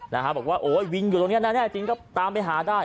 นะฮะบอกว่าโอ้ยวินอยู่ตรงเนี้ยแน่แน่จริงก็ตามไปหาได้